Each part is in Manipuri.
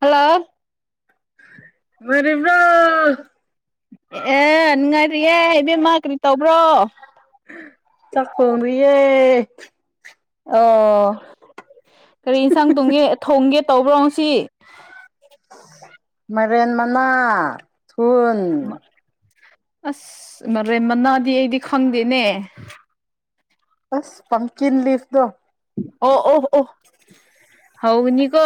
ꯍꯜꯂꯣ ꯅꯨꯡꯉꯥꯏꯔꯤꯕ꯭ꯔꯥ ꯑꯦ ꯅꯨꯡꯉꯥꯏꯔꯤꯔꯤꯌꯦ ꯏꯕꯦꯝꯃ ꯀꯔꯤ ꯇꯧꯕ꯭ꯔꯣ ꯆꯥꯛ ꯊꫭꯡꯉꯤꯌꯦ [unintelligible] ꯑꯣ ꯀꯔꯤ ꯏꯟꯁꯥꯡ ꯇꯣꯡꯒꯦ ꯊꯣꯡꯒꯦ ꯇꯧꯕ꯭ꯔꯣ ꯁꯤ ꯃꯥꯏꯔꯟ ꯃꯅꯥ ꯊꯟ ꯑꯁ ꯃꯔꯦꯟ ꯃꯅꯥꯗꯤ ꯑꯩꯗꯤ ꯈꯪꯗꯦꯅꯦ ꯑꯁ ꯄꯝꯀꯤꯟ ꯂꯤꯐꯗꯣ ꯑꯣ ꯑꯣ ꯑꯣ ꯍꯅꯤꯀꯣ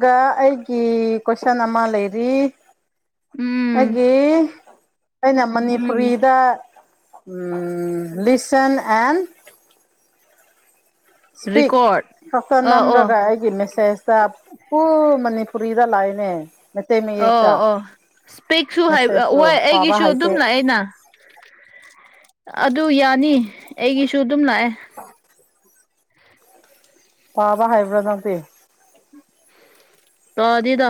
ꯑꯩꯒꯤ ꯀꯣꯏꯁꯟ ꯑꯃ ꯂꯩꯔꯤ ꯑꯦ ꯎꯝ ꯑꯩꯅ ꯎꯝ ꯃꯅꯤꯄꯨꯔꯤꯗ ꯂꯁꯟ ꯑꯦꯟ ꯁꯄꯤꯛ ꯔꯦꯀꯣꯔꯠ ꯐꯆ ꯑ ꯅꯝ ꯑꯣ ꯒ ꯑꯩꯒꯤ ꯃꯦꯁꯦꯖ ꯄꯨ ꯃꯅꯤꯄꯨꯔꯤꯗ ꯂꯥꯛꯑꯅꯦ ꯑꯣ ꯑꯣ ꯏꯁꯄꯦꯛꯁꯨ ꯍꯥꯏꯕ ꯃꯦꯁꯦꯖꯇꯣ ꯋꯥꯏ ꯄꯥꯕ ꯑꯩꯒꯤꯁꯨ ꯑꯗꯨꯝ ꯍꯩꯇꯦ ꯂꯥꯛꯑꯦꯅ ꯑꯗꯨ ꯌꯥꯅꯤ ꯑꯩꯒꯤꯁꯨ ꯇꯨꯝꯂꯑ ꯄꯥꯕ ꯍꯥꯏꯩꯕ꯭ꯔ ꯅꯇ ꯇꯗꯤꯗ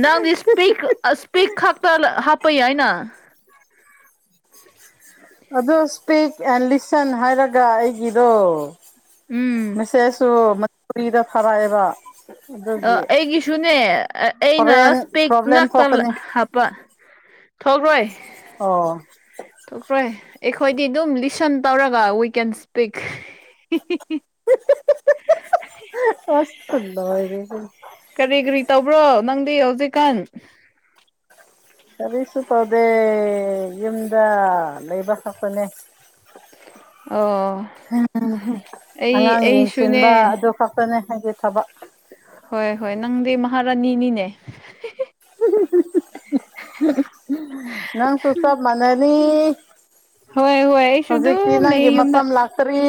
ꯅꯪꯗꯤ ꯏꯁꯄꯤꯛ ꯏꯁꯄꯤꯛ ꯈꯛꯇ ꯍꯥꯞꯄꯩ ꯍꯥꯏꯅ ꯑꯗꯨ ꯏꯁꯄꯤꯛ ꯑꯦꯟ ꯂꯤꯁꯟ ꯍꯥꯏꯔꯒ ꯑꯩꯒꯤꯗꯣ ꯎꯝ ꯃꯁꯦꯁꯁꯨ ꯐꯨꯔꯤꯗ ꯐꯔꯛꯑꯦꯕ ꯑꯩꯒꯤꯁꯨꯅꯦ ꯑꯩꯅ ꯍꯣꯔꯦꯟ ꯏꯁꯄꯦꯛ ꯄ꯭ꯔꯣꯕ꯭ꯂꯦꯝ ꯉꯥꯛꯇ ꯊꯣꯛꯀꯅꯤ ꯍꯥꯞꯄ ꯊꯣꯛꯈ꯭ꯔꯣꯏ ꯑꯣ ꯊꯣꯛꯈ꯭ꯔꯣꯏ ꯑꯩꯈꯣꯏꯗꯤ ꯑꯗꯨꯝ ꯂꯤꯁꯟ ꯇꯧꯔꯒ ꯋꯤ ꯀꯦꯟ ꯁ꯭ꯄꯤꯛ ꯑꯁ ꯊꯗ ꯀꯔꯤ ꯀꯔꯤ ꯇꯧꯕ꯭ꯔꯣ ꯅꯪꯗꯤ ꯍꯧꯖꯤꯛꯀꯥꯟ ꯀꯔꯤꯁꯨ ꯇꯧꯗꯦ ꯌꯨꯝꯗ ꯂꯩꯕ ꯈꯄꯅꯦ ꯑꯣ ꯝ ꯑꯩ ꯑꯉꯥꯡ ꯌꯦꯡꯁꯤꯟꯕ ꯑꯩꯁꯨꯅꯦ ꯑꯗꯨ ꯈꯛꯇꯅꯦ ꯍꯥꯏꯁꯦ ꯊꯕꯛ ꯍꯣꯏ ꯍꯣꯏ ꯅꯪꯗꯤ ꯃꯍꯥꯔꯥꯅꯤꯅꯤꯅꯦ [unintelligible] ꯅꯪ ꯁꯨꯁꯞ ꯃꯅꯅꯤ [inaudible] ꯍꯣꯏ ꯍꯣꯏ ꯑꯩꯁꯨ ꯑꯗꯨ ꯂꯩ ꯌꯨꯝꯗ ꯃꯇꯝ ꯂꯥꯛꯇ꯭ꯔꯤ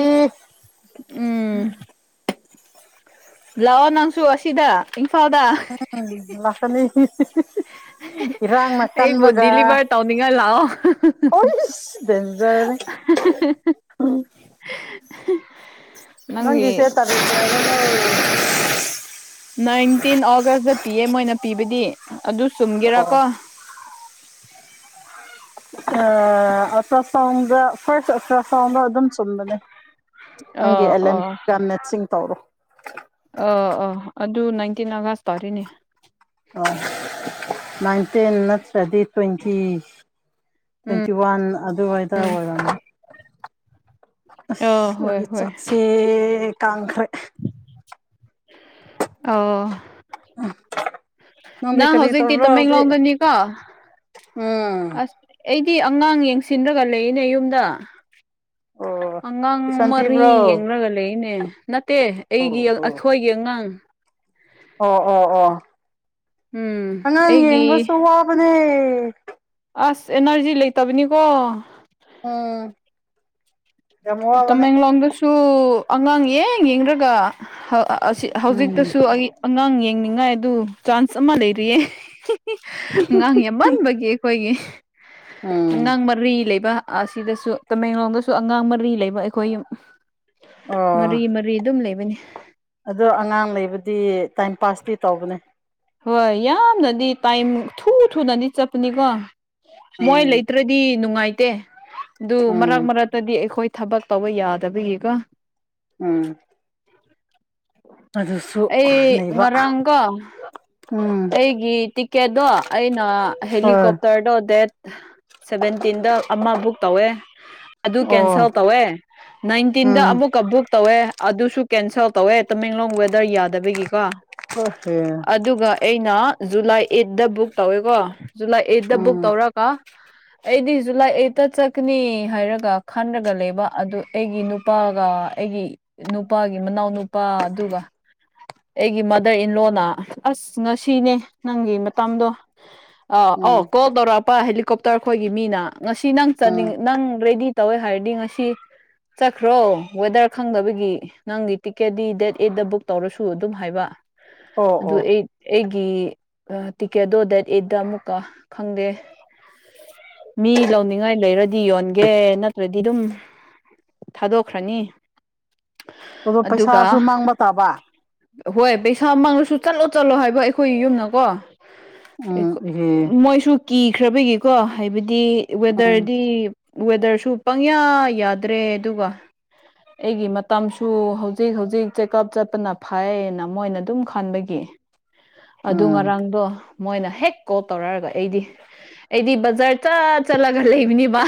ꯎꯝ ꯂꯥꯛꯑꯣ ꯅꯪꯁꯨ ꯑꯁꯤꯗ ꯐꯥꯎꯗ ꯂꯥꯛꯀꯅꯤ ꯏꯔꯥꯡꯅ ꯀꯟꯕꯒ ꯑꯩ ꯨꯗꯤꯤ ꯂꯤꯚꯔ ꯇꯥꯎꯅꯤꯡꯉꯥ ꯂꯑꯣ [inaudible] ꯑꯣꯏꯁ ꯗꯦꯟꯖꯔꯅꯤ ꯅꯪꯒꯤꯁꯦ ꯇꯔ ꯏꯟꯇꯤꯟ ꯑꯣꯒꯁ ꯗ ꯑꯦ ꯃꯣꯏꯅ ꯄꯤꯕꯗꯤ ꯑꯗꯨ ꯑꯣ ꯁꯨꯝꯒꯦꯔꯥꯀꯣ ꯑ ꯑꯜ꯭ꯔ ꯁꯥꯎꯟꯒ ꯐꯥꯔ ꯑꯜꯇ꯭ꯔ ꯁꯥꯎꯟ ꯑꯗꯨꯝ ꯆꯜꯅꯦ ꯅꯪ ꯑꯣ ꯑꯦꯂ ꯑꯣ ꯑꯦꯟ ꯔꯝꯅꯥꯊ ꯁꯤ ꯇꯧꯔꯣ ꯑꯥ ꯑꯥ ꯑꯗꯨ ꯅꯥꯏꯟꯇꯤꯟ ꯑꯥꯒꯁ ꯇꯥꯔꯤꯅꯦ ꯑꯣ ꯅꯥꯏꯟꯇ ꯗꯗꯤ ꯇ꯭ꯋꯦꯟꯇꯤ ꯎꯝ ꯇ꯭ꯋꯦꯟꯇꯤ ꯋꯥꯟ ꯑꯗꯨꯋꯥꯏꯗ ꯑꯣꯏꯔꯝꯃꯤ ꯑ ꯍꯣꯏ ꯍꯣꯏ ꯆꯁꯤꯦ ꯀꯥꯡꯈꯣꯏ ꯑꯣ ꯎꯝ ꯅꯪ ꯍꯧꯖꯤꯛꯇꯤ ꯇꯃꯦꯡꯂꯣꯡꯗꯅꯤꯀꯣ ꯎꯝ ꯑꯁ ꯤ ꯑꯉꯥꯡ ꯌꯦꯡꯁꯤꯟꯂꯒ ꯂꯩꯔꯤꯅꯦ ꯌꯨꯝꯗ ꯑꯣ ꯑꯉꯥꯡ ꯇꯨꯏꯁꯟ ꯃꯔꯤ ꯄꯤꯕ꯭ꯔꯣ ꯌꯦꯡꯂꯡꯒ ꯂꯩꯅꯦ ꯅꯠꯇꯦ ꯑꯣ ꯑꯩꯒꯤ ꯑꯣ ꯑꯊꯣꯏꯒꯤ ꯑꯉꯥꯡ ꯑꯣ ꯑꯣ ꯑꯣ ꯎꯝ ꯑꯉꯥꯛ ꯑꯩꯒꯤ ꯌꯦꯡꯕꯁꯨ ꯋꯥꯕꯅꯦ ꯎꯝ ꯑꯁ ꯑꯦꯅꯔꯖꯤ ꯂꯩꯇꯕꯅꯤꯀꯣ ꯎꯝ ꯌꯥꯝ ꯋꯥꯕꯅꯦ ꯇꯃꯦꯡꯂꯣꯡꯗꯁꯨ ꯑꯉꯥꯡꯌꯦ ꯌꯦꯡꯗ꯭ꯔꯒ ꯑꯁꯤ ꯎꯝ ꯍꯧꯖꯤꯛꯇꯁꯨ ꯑꯩ ꯑꯉꯥꯡ ꯌꯦꯡꯅꯤꯡꯉꯥꯏ ꯑꯗꯨ ꯆꯥꯟꯁ ꯑꯃ ꯂꯩꯔꯤꯌꯦ ꯑꯉꯥꯡ ꯌꯥꯝꯃꯟꯕꯒꯤ ꯑꯩꯈꯣꯏꯒꯤ ꯎꯝ ꯑꯉꯥꯡ ꯃꯔꯤ ꯂꯩꯕ ꯑꯁꯤꯗꯁꯨ ꯇꯃꯦꯡꯂꯣꯡꯗꯁꯨ ꯑꯉꯥꯡꯔꯤ ꯔꯤ ꯂꯩꯕ ꯑꯩꯈꯣꯏ ꯌꯨꯝ ꯑꯣ ꯃꯔꯤ ꯃꯔꯤ ꯑꯗꯨꯝ ꯂꯩꯕꯅꯤ ꯑꯗꯣ ꯑꯉꯥꯡ ꯂꯩꯕꯗꯤ ꯇꯥꯏꯝ ꯄꯥꯁꯇꯤ ꯇꯧꯕꯅꯦ ꯍꯣꯏ ꯌꯥꯝꯅꯗꯤ ꯇꯥꯏꯝ ꯊꯨ ꯊꯨꯅꯗꯤ ꯆꯠꯄꯅꯤꯀꯣ ꯃꯣꯏ ꯎꯝ ꯂꯩꯇ꯭ꯔꯗꯤ ꯅꯨꯡꯉꯥꯏꯇ ꯠꯇꯦ ꯑꯗꯨ ꯃꯔꯛ ꯎꯝ ꯃꯔꯛꯇꯗꯤ ꯑꯩꯈꯣꯏ ꯊꯕꯛ ꯇꯧꯕ ꯌꯥꯗꯕꯒꯤꯀꯣ ꯎꯝ ꯑꯗꯨꯁꯨ [inaudible] ꯑꯩ ꯂꯩꯕ ꯉꯔ ꯀ ꯎꯝ ꯑꯩꯒꯤ ꯇꯤꯛꯀꯦꯠꯇꯣ ꯑꯩꯅ ꯍꯣꯏ ꯍꯦꯂꯤꯀꯣꯞꯇꯔꯗꯣ ꯗꯦꯠ ꯁꯚꯦꯟꯇꯤꯟꯗ ꯑꯃ ꯕꯨꯛ ꯇꯧꯋꯦ ꯑꯗꯨ ꯑꯣ ꯀꯦꯟꯁꯦꯜ ꯇꯧꯋꯦ ꯅꯥꯏꯟꯇꯤꯟꯗ ꯎꯝ ꯑꯃꯨꯛ ꯑꯃꯨꯛ ꯇꯧꯋꯦ ꯑꯗꯨꯁꯨ ꯀꯦꯟꯁꯦꯜ ꯇꯧꯋꯦ ꯇꯃꯦꯡꯂꯣꯡ ꯋꯦꯗꯔ ꯌꯥꯗꯕꯒꯤꯀꯣ ꯑ ꯍꯦ ꯑꯗꯨꯒ ꯑꯩꯅ ꯖꯨꯂꯥꯏ ꯑꯩꯠꯇ ꯕꯨꯛ ꯇꯧꯋꯦꯀꯣ ꯑꯗꯨꯅ ꯑꯩꯗ ꯗ ꯕꯨꯛ ꯎꯝ ꯇꯧꯔꯒ ꯑꯩꯗꯤꯁꯨꯨ ꯂꯥꯏ ꯑꯩꯠꯇ ꯆꯠꯀꯅꯤ ꯍꯥꯏꯔꯒ ꯈꯟꯔꯒ ꯂꯩꯕ ꯑꯗꯨ ꯑꯩꯒꯤ ꯅꯨꯄꯥꯒ ꯑꯩꯒꯤ ꯅꯨꯄꯥꯒꯤ ꯃꯅꯥꯎ ꯅꯨꯄꯥ ꯑꯗꯨꯒ ꯑꯩꯒꯤ ꯃꯥꯗꯔ ꯏꯟꯂꯣꯅ ꯑꯁ ꯉꯁꯤꯅꯦ ꯅꯪꯒꯤ ꯃꯇꯝꯗꯣ ꯑ ꯑꯣ ꯎꯝ ꯀꯣꯗꯔꯣꯄꯥ ꯍꯥꯏ ꯀꯣꯞꯇꯔ ꯑꯩꯈꯣꯏꯒꯤ ꯃꯤꯅ ꯉꯁꯤ ꯅꯪ ꯎꯝ ꯆꯅꯤꯡ ꯅꯪ ꯔꯦꯗꯤ ꯇꯧꯋꯦ ꯍꯥꯏꯔꯗꯤ ꯉꯁꯤ ꯆꯠꯈ꯭ꯔꯣ ꯋꯦꯗꯔ ꯈꯪꯗꯕꯒꯤ ꯅꯪꯒꯤ ꯇꯤꯛꯀꯦꯠꯗꯤ ꯗꯦꯠ ꯑꯦꯗꯠꯇ ꯕꯨꯛ ꯇꯧꯔꯁꯨ ꯑꯗꯨꯝ ꯍꯥꯏꯕ ꯑꯣ ꯑꯗꯨ ꯑꯣ ꯑꯩ ꯒꯤ ꯇꯤꯀꯦꯠꯇꯣ ꯗꯦꯠ ꯑꯦꯠꯇ ꯑꯃꯨꯛꯀ ꯈꯪꯗꯦ ꯃꯤ ꯂꯧꯅꯤꯡꯉꯥꯏ ꯂꯩꯔꯗꯤ ꯌꯣꯟꯒꯦ ꯅꯠꯇ꯭ꯔꯗꯤ ꯑꯗꯨꯝ ꯊꯥꯗꯣꯛꯈ꯭ꯔꯅꯤ ꯑꯗꯣ ꯑꯗꯨꯒ ꯄꯩꯁꯥꯁꯨ ꯃꯥꯡꯕ ꯇꯥꯕ ꯍꯣꯏ ꯄꯩꯁꯥ ꯃꯥꯥꯡꯅꯁꯨ ꯆꯠꯂꯣ ꯆꯠꯂꯣ ꯍꯥꯏꯕ ꯑꯩꯈꯣꯏꯒꯤ ꯌꯨꯝꯅꯀꯣ ꯎꯝ ꯏꯍꯦ ꯃꯣꯏꯁꯨ ꯀꯤꯈ꯭ꯔꯕꯒꯤꯀꯣ ꯍꯥꯏꯕꯗꯤ ꯗꯤ ꯎꯝ ꯋꯦꯗꯔꯗꯤ ꯋꯦꯗꯔꯁꯨ ꯄꯪꯌꯥ ꯌꯥꯗ꯭ꯔꯦ ꯑꯗꯨꯒ ꯑꯩꯒꯤ ꯃꯇꯝꯁꯨ ꯍꯧꯖꯤꯛ ꯍꯧꯖꯤꯛ ꯆꯦꯛꯑꯞ ꯆꯠꯄꯅ ꯐꯥꯏꯅ ꯃꯣꯏꯅ ꯑꯗꯨꯝ ꯈꯟꯕꯒꯤ ꯀꯦ ꯑꯗꯨ ꯎꯝ ꯉꯔꯥꯡꯗꯣ ꯃꯣꯏꯅ ꯍꯦꯛ ꯀꯣꯜ ꯇꯧꯔꯛꯑꯒ ꯑꯩꯗꯤ ꯑꯩꯗꯤ ꯕꯖꯥꯔ ꯆꯠ ꯆꯠꯂꯒ ꯂꯩꯕꯅꯤꯕ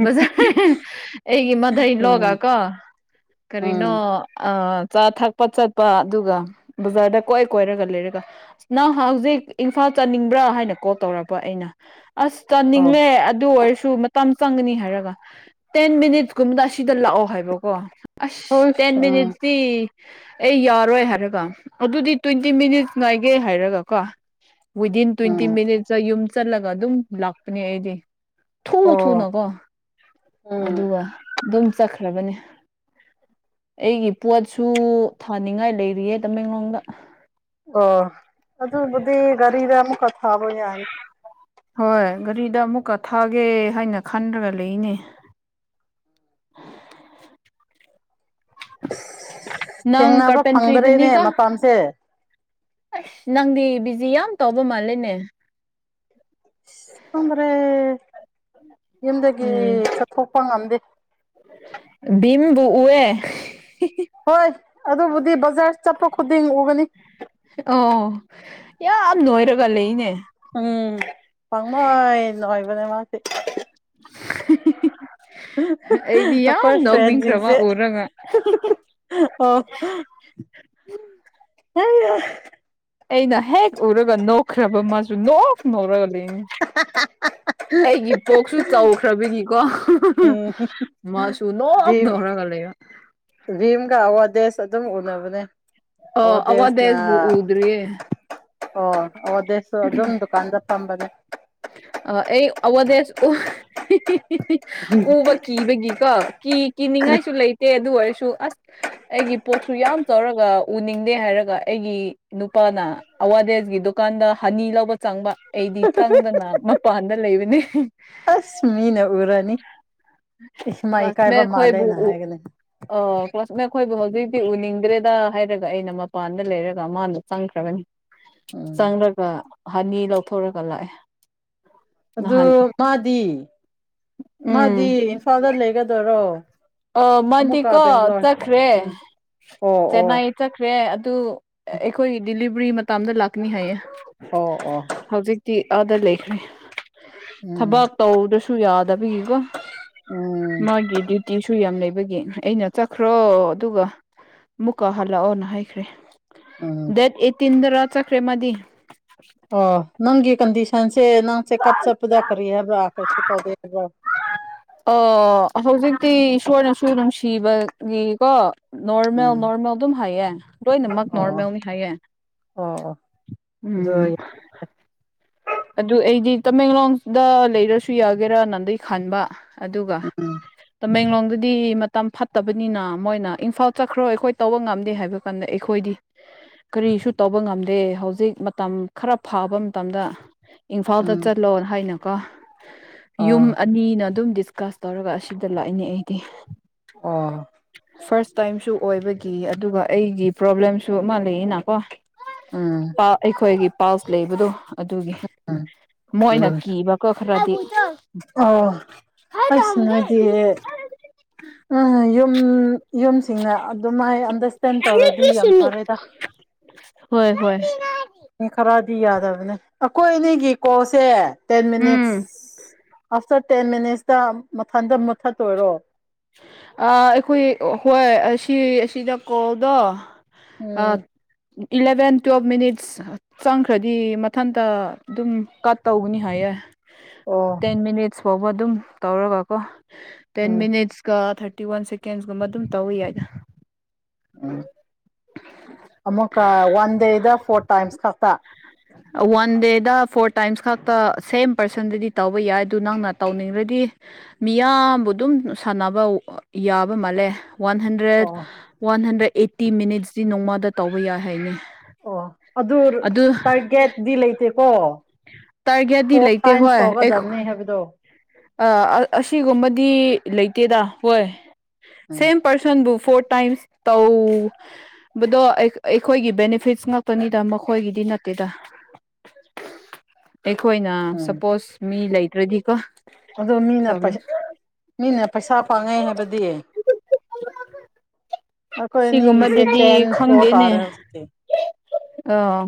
ꯕꯖꯥꯔ ꯑꯩꯒꯤ ꯎꯝ ꯃꯙꯩꯂꯣꯒꯀꯣ ꯎꯝ ꯀꯔꯤꯅꯣ ꯆꯥ ꯊꯛꯄ ꯆꯠꯄ ꯑꯗꯨꯒ ꯕꯖꯥꯔꯗ ꯀꯣꯏꯑꯦ ꯀꯣꯏꯔꯒ ꯂꯩꯔꯒ ꯑꯁ ꯅꯪ ꯍꯧꯖꯤꯛ ꯏꯝꯐꯥꯜ ꯆꯥꯅꯤꯡꯕ꯭ꯔꯥ ꯍꯥꯏꯅ ꯀꯣꯜ ꯇꯧꯔꯛꯄ ꯑꯩꯅ ꯑꯁ ꯑꯣ ꯆꯥꯅꯤꯡꯃꯦ ꯑꯗꯨ ꯑꯣꯏꯔꯁꯨ ꯁꯨ ꯃꯇꯝ ꯆꯪꯒꯅꯤ ꯍꯥꯏꯔꯒ ꯇꯦꯟ ꯃꯤꯅꯤꯠꯁꯀꯨꯝꯕꯗ ꯑꯁꯤꯗ ꯂꯥꯛꯑꯣ ꯍꯥꯏꯕꯀꯣ ꯑꯁ ꯇꯦꯟ ꯍꯨꯏꯁ ꯎꯝ ꯃꯤꯅꯤꯠꯁꯤ ꯑꯩ ꯌꯥꯔꯣꯏ ꯍꯥꯏꯔꯒ ꯑꯗꯨꯗꯤ ꯇꯣꯏꯟꯇꯤ ꯃꯤꯅꯤꯠꯁ ꯉꯥꯏꯒꯦ ꯍꯥꯏꯔꯒ ꯀꯣ ꯋꯤꯗꯤꯟ ꯇꯣꯏꯟꯇꯤ ꯎꯝ ꯃꯤꯅꯤꯠꯁ ꯌꯨꯝ ꯆꯠꯂꯒ ꯑꯗꯨꯝ ꯂꯥꯛꯄꯅꯦ ꯑꯩꯗꯤ ꯊꯨꯎ ꯑꯣ ꯊꯨꯅꯀꯣ ꯎꯝ ꯑꯗꯨꯒ ꯑꯗꯨꯝ ꯆꯠꯈ꯭ꯔꯕꯅꯦ ꯑꯩꯒꯤ ꯄꯣꯠꯁꯨ ꯊꯥꯅꯤꯡꯉꯥꯏ ꯂꯩꯔꯤꯌꯦ ꯇꯃꯦꯡꯂꯣꯡ ꯆꯠꯈ꯭ꯔꯕꯅꯦ [unintelligible] ꯑꯣ ꯑꯗꯨ ꯕꯨꯗꯤ ꯒꯔꯤꯗ ꯑꯃꯨꯛ ꯀ ꯊꯕ ꯌꯥꯅꯤ ꯍꯣꯏ ꯒꯥꯔꯤꯗ ꯑꯃꯨꯛꯀ ꯊꯥꯒꯦ ꯍꯥꯏꯅ ꯈꯟꯗꯨꯅ ꯂꯩꯏꯅꯦ ꯅꯪ ꯊꯦꯡꯅꯕ ꯐꯪꯗ꯭ꯔꯦꯅꯦ ꯀꯥꯔꯄꯦꯟꯇ꯭ꯔꯤꯗꯨꯅꯤꯒ ꯃꯇꯝꯁꯦ ꯅꯪꯗꯤ ꯌꯥꯝ ꯇꯧꯕ ꯃꯥꯜꯂꯦꯅꯦ [unintelligible] ꯌꯨꯝꯗꯒꯤ ꯆꯊꯣꯛꯄ ꯉꯝꯗꯦ ꯕꯤꯝꯕꯨ ꯎꯋꯦ ꯍꯣꯏ ꯑꯗꯨꯕꯨꯗꯤ ꯕꯖꯥꯔ ꯆꯠꯄ ꯈꯨꯗꯤꯡ ꯎꯒꯅꯤ ꯑꯣ ꯌꯥꯝ ꯅꯣꯏꯔꯒ ꯂꯩꯅꯦ ꯄꯪꯅꯣꯏ [unintelligible] ꯃꯥꯁꯦ [inaudible] ꯑꯩꯗꯤ ꯌꯥꯝ ꯑꯩꯈꯣꯏ ꯅꯣꯛꯅꯤꯡꯈ꯭ꯔꯕ ꯐ꯭ꯔꯦꯟꯁꯤꯡꯁꯦ ꯎꯔꯒ ꯑꯣ ꯑꯩꯅ ꯍꯦꯛ ꯎꯔꯒ ꯅꯣꯛꯈ꯭ꯔꯕ ꯃꯥꯁꯨ ꯅꯣꯛ ꯉꯧꯔꯛꯒꯂꯤ ꯑꯩꯒꯤ ꯄꯣꯛꯁꯨ ꯆꯥꯎ ꯐ꯭ꯔꯕꯤꯜꯒꯤꯀꯣ ꯎꯝ ꯃꯥꯁꯨ ꯚꯤꯝ ꯅꯣꯛꯇ꯭ꯔꯒ ꯂꯩꯕ ꯚꯤꯝꯒ ꯑꯋꯥꯔꯗꯦꯁ ꯑꯗꯨꯝ ꯎꯅꯕꯅꯦ ꯑꯣ ꯗꯁ ꯑꯋꯥꯗꯦꯁꯕꯨ ꯎꯗ꯭ꯔꯤꯌꯦ ꯑꯣꯗꯦꯁꯨ ꯑꯗꯨꯝ ꯗꯨꯀꯥꯟꯗ ꯑꯝꯕꯗ ꯑ ꯑꯩ ꯑꯕꯗꯦ ꯎꯕ ꯀꯤꯕꯒꯤꯀꯣ ꯀꯤ ꯀꯤꯅꯤꯡꯉꯥꯏꯁꯨ ꯂꯩꯇꯦ ꯑꯗꯨ ꯑꯣꯏꯔꯁꯨ ꯑꯁ ꯑꯩꯒꯤ ꯄꯣꯛꯁꯨ ꯌꯥꯝ ꯆꯥꯎꯧꯔꯒ ꯎꯅꯤꯡꯗꯦ ꯍꯥꯏꯔꯒ ꯑꯩꯒꯤ ꯅꯨꯄꯥꯅ ꯑꯋꯥꯗꯦꯁꯀꯤ ꯗꯨꯀꯥꯟꯗ ꯍꯅꯤ ꯂꯧꯕ ꯆꯪꯕ ꯑꯩꯗꯤ ꯆꯪꯗꯅꯨ ꯃꯄꯥꯟꯗ ꯂꯩꯕꯅꯦ ꯑꯁ ꯃꯤꯅ ꯎꯔꯅꯤ ꯏꯃꯥꯏ ꯏꯀꯥꯏꯕ ꯀ꯭ꯂꯥꯁꯃꯦꯠ ꯈꯣꯏꯕꯨ ꯃꯥꯜꯂꯦꯅ ꯍꯥꯏꯒꯅꯤ ꯑꯩꯈꯣꯏꯕꯨ ꯍꯧꯖꯤꯛꯇꯤ ꯎꯅꯤꯡꯗ꯭ꯔꯦꯗ ꯍꯥꯏꯔꯒ ꯑꯩꯅ ꯃꯄꯥꯟꯗ ꯂꯩꯔꯒ ꯃꯥꯗ ꯆꯪꯈ꯭ꯔꯕꯅꯤ ꯎꯝ ꯆꯉ꯭ꯔꯒ ꯍꯅꯤ ꯂꯧꯊꯣꯔꯒ ꯂꯥꯛꯑꯦ ꯑꯗꯨ ꯅꯍꯥꯟ ꯃꯥꯗꯤ ꯎꯝ ꯃꯥꯗꯤ ꯏꯝꯐꯥꯜꯗ ꯂꯩꯒꯗꯔꯣ ꯑ ꯃꯗꯤꯀꯣ ꯆꯠꯈ꯭ꯔꯦ ꯎꯝ ꯑꯣ ꯑꯣ ꯆꯦꯟꯅꯥꯏ ꯆꯠꯈ꯭ꯔꯦ [unintelligible] ꯑꯩꯈꯣꯏ ꯗꯂꯤ ꯔꯤ ꯃ ꯃꯇꯝ ꯑꯃꯗ ꯂꯛꯅꯤ ꯍꯥꯏꯌꯦ ꯑꯣ ꯑꯣ ꯍꯧꯖꯤꯛꯇꯤ ꯑꯥꯗ ꯂꯦꯈꯅꯤ ꯎꯝ ꯊꯕꯛ ꯇꯧꯗꯁꯨ ꯌꯥꯗꯕꯤꯀ ꯎꯝ ꯃꯥꯒꯤꯗꯤ ꯏꯁꯨ ꯌꯥꯝ ꯂꯩꯕꯒꯤ ꯑꯩꯅ ꯆꯠꯈ꯭ꯔꯣ ꯑꯗꯨꯒ ꯑꯃꯨꯛꯀ ꯍꯜꯂꯛꯑꯣꯅ ꯍꯥꯏꯈ꯭ꯔꯦ ꯎꯝ ꯗꯦꯠ ꯑꯦꯇ ꯏꯟꯗ ꯔ ꯆꯈ꯭ꯔꯦ ꯃꯗꯤ ꯑꯣ ꯅꯪꯒ ꯀꯟꯗꯤꯁꯟ ꯦꯅꯥꯁꯦ ꯀꯞ ꯁ ꯄꯖꯔꯤ ꯐꯕ ꯑꯣ ꯍꯧꯖꯤꯛꯇꯤ ꯏꯁꯣꯔꯅꯁꯨ ꯅꯨꯡꯁꯤꯕꯒꯤꯀꯣ ꯅꯣꯔꯃꯦꯜ ꯎꯝ ꯅꯣꯔꯃꯦꯜ ꯑꯗꯨꯝ ꯍꯥꯏꯌꯦ ꯂꯣꯏꯅꯃꯛ ꯑꯣ ꯅꯣꯔꯃꯦꯜꯅꯤ ꯍꯥꯏꯌꯦ ꯑꯣ ꯑꯣ ꯎꯝ ꯑꯗꯨ ꯑꯗꯨ ꯑꯩꯗꯤ ꯇꯃꯦꯡꯂꯣꯡꯗ ꯂꯩꯔꯁꯨ ꯌꯥꯒꯦꯔꯥ ꯅꯟꯗꯩ ꯈꯥꯟꯕ ꯑꯗꯨꯒ ꯎꯝ ꯇꯃꯦꯡꯂꯣꯡ ꯑꯗꯨꯗꯤ ꯃꯇꯝ ꯐꯠꯇꯕꯅꯤꯅ ꯃꯣꯏꯅ ꯏꯝꯐꯥꯜ ꯆꯠꯈ꯭ꯔꯣ ꯑꯩꯈꯣꯏ ꯇꯧꯕ ꯉꯝꯗꯦ ꯍꯥꯏꯕ ꯀꯥꯟꯗ ꯑꯩꯈꯣꯏꯗꯤ ꯀꯔꯤꯁꯨ ꯇꯧꯕ ꯉꯝꯗꯦ ꯍꯧꯖꯤꯛ ꯃꯇꯝ ꯈꯔ ꯐꯕ ꯃꯇꯝꯗ ꯏꯝꯐꯥꯜꯗ ꯎꯝ ꯆꯠꯂꯣ ꯍꯥꯏꯅ ꯀꯥ ꯌꯨꯝ ꯑꯣ ꯑꯅꯤꯅ ꯑꯗꯨꯝꯗꯤ ꯕꯤꯁꯀꯥꯁ ꯇꯧꯔꯒ ꯑꯁꯤꯗ ꯂꯥꯛꯏꯅꯦ ꯑꯩꯗꯤ ꯑꯣ ꯐꯁ ꯇꯥꯏꯝꯁꯨ ꯑꯣꯏꯕꯒꯤ ꯑꯗꯨꯒ ꯑꯩꯒꯤ ꯄ꯭ꯔꯣꯕ꯭ꯂꯦꯝꯁꯨ ꯑꯃ ꯂꯩꯌꯦꯅꯀꯣ ꯎꯝ ꯑꯥ ꯑꯩ ꯑꯣꯏꯌꯦꯒ ꯄꯥꯁ ꯂꯩꯕꯗꯣ ꯑꯗꯨꯒꯤ ꯎꯝ ꯃꯣꯏ ꯅ ꯎꯝ ꯀꯤꯕꯀꯣ ꯈꯔꯗꯤ ꯑꯣ ꯑꯩꯁꯨ ꯅ [unintelligible] ꯍꯥꯏꯗꯤ ꯎ ꯌꯨꯝ ꯌꯨꯝ ꯁꯤꯡꯅ ꯑꯗꯨꯝ ꯍꯥꯏ ꯍꯟꯗ [unintelligible] ꯑꯦꯛꯁꯇꯦꯟ ꯇꯧꯔꯗꯤ ꯌꯥꯝ ꯐꯔꯦꯗ ꯍꯣꯏ ꯍꯣꯏ ꯎ ꯈꯔ [unintelligible] ꯁꯤ ꯌꯥꯗꯕꯅꯦ ꯑꯩꯈꯣꯏ ꯑꯅꯤꯒꯤꯀꯣꯜꯁꯦ ꯇꯦꯟ ꯃꯤꯁ ꯎꯝ ꯑꯐꯇꯔ ꯇꯦꯟ ꯃꯤꯅꯤꯠꯁꯇ ꯃꯊꯟꯇ ꯃꯨꯠꯊꯠꯇꯣꯏꯔꯣ ꯑꯩꯈꯣꯏ ꯍꯣꯏ ꯑꯁꯤ ꯑꯁꯤꯗ ꯀꯣꯜꯗꯣ ꯑ [inaudible] ꯎꯝ [unintelligible] ꯏꯂꯚꯦꯟ ꯇꯨꯋꯦꯜꯕ ꯃꯤꯅꯤꯠꯁ ꯆꯪꯈ꯭ꯔꯗꯤ ꯃꯊꯟꯇ ꯑꯗꯨꯝ ꯀꯠ ꯇꯧꯒꯅꯤ ꯍꯥꯏꯌꯦ ꯑꯣ ꯇꯦꯟ ꯃꯤꯅꯤ ꯐꯥꯎꯕ ꯑꯗꯨꯝ ꯇꯧꯔꯒꯀꯣ ten um minutes thirty one ꯁꯦꯀꯦꯟꯁꯀꯨꯝꯕ ꯑꯗꯨꯝ ꯇꯧꯋꯣ ꯌꯥꯏꯗ ꯎꯝ ꯑꯃꯀ ꯋꯥꯟ ꯗꯦꯗ ꯐꯣꯔ ꯇꯥꯏꯝꯁ ꯀꯁ ꯋꯥꯟ ꯗꯦꯗ ꯐꯣꯔ ꯇꯥꯏꯝꯁ ꯈꯛꯇ ꯁꯦꯝ ꯄꯔꯁꯟꯗꯗꯤ ꯇꯧꯕ ꯌꯥꯏ ꯑꯗꯨ ꯅꯪꯅ ꯇꯧꯅꯤꯡꯔꯗꯤ ꯃꯤꯌꯥꯝꯕꯨ ꯑꯗꯨꯝ ꯁꯥꯟꯅꯕ ꯌꯥꯕ ꯃꯥꯜꯂꯦ ꯋꯥꯟ ꯍꯟꯗ꯭ꯔꯦꯠ ꯑꯣ ꯋꯥꯟ ꯍꯟꯗ꯭ꯔꯦꯠ ꯑꯦꯠꯇꯤ ꯃꯤꯅꯤꯠꯁ ꯁꯤ ꯅꯣꯡꯃꯗ ꯇꯧꯕ ꯌꯥꯏ ꯍꯥꯏꯅꯤ ꯑꯣ ꯑꯗꯨ ꯇꯔꯒꯦꯠ ꯗꯤ ꯂꯩꯇꯦ ꯀꯣ ꯇꯔꯒꯦꯠꯗꯤ ꯂꯩꯇ ꯍꯣꯏ ꯑꯩ ꯍꯥꯏꯕꯗꯣ ꯑ ꯑꯁꯤꯒꯨꯝꯕꯗꯤ ꯂꯩꯇꯦꯗ ꯍꯣꯏ ꯎꯝ ꯁꯦꯝ ꯄꯔꯁꯟ ꯕꯨꯐ ꯐꯣꯔ ꯇꯥꯏꯝꯁ ꯇꯧꯕꯗꯣ ꯑꯩꯈꯣꯏꯒꯤ ꯕꯦꯅꯤꯐꯤꯠꯁ ꯉꯥꯛꯇꯅꯤꯗ ꯃꯈꯣꯏꯒꯤꯗꯤ ꯅꯠꯇꯦꯗ ꯑꯩꯈꯣꯏꯅ ꯎꯝ ꯁꯄꯣꯁ ꯃꯤ ꯂꯩ ꯔꯗꯤ ꯀꯣ ꯑꯗꯣ ꯃꯤꯅ ꯄꯩꯁ ꯃꯤꯅ ꯄꯩꯁꯥ ꯄꯥꯡꯉꯦ ꯍꯥꯏꯕꯗꯤ ꯑꯩꯈꯣꯏ ꯑꯅꯤꯒꯤꯁꯦ ꯁꯤꯒꯨꯝꯕꯗꯨꯗꯤ ꯇꯦꯟ ꯐꯣꯔ ꯈꯪꯗꯦꯅꯦ ꯇꯥꯔꯦ ꯍꯧꯖꯤꯛꯇꯤ ꯑꯥ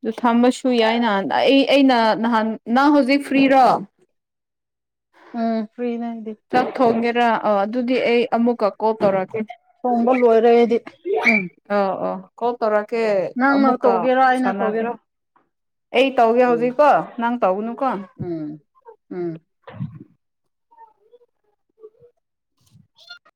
ꯑꯗꯨ ꯊꯝꯕꯁꯨ ꯌꯥꯏꯅ ꯑꯩ ꯑꯩꯅ ꯅꯍꯥꯟ ꯅꯪ ꯍꯧꯖꯤꯛ ꯐ꯭ꯔꯤꯔꯣ ꯎꯝ ꯐ꯭ꯔꯤꯅꯦ ꯑꯩꯗꯤ ꯆꯛ ꯊꫭꯡꯒꯦ ꯑ ꯑꯗꯨꯗꯤ ꯑꯩ ꯑꯃꯨꯛꯀ ꯀꯣꯜ ꯇꯧꯔꯛꯀꯦ ꯊꫭꯡꯕ ꯂꫭꯏꯔꯦ ꯎꯝ ꯀꯣ ꯇꯔ ꯀ ꯅꯪꯅ ꯑꯃꯃꯨꯛꯀ ꯇꯧꯒꯦꯔꯥ ꯑꯩꯅ ꯁꯅꯥꯁꯤ ꯇꯧꯒꯦꯔꯥ ꯑꯩ ꯇꯧꯒꯦ ꯎꯝ ꯍꯧꯖꯤꯛꯀꯣ ꯅꯪ ꯇꯧꯒꯅꯨꯀꯣ ꯎꯝ ꯎꯝ [inaudible]